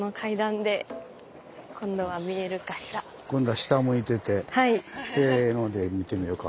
今度は下向いてて「せの」で見てみようか。